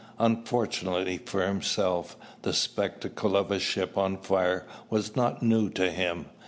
Unfortunately for himself, the spectacle of a ship on fire was not new to him.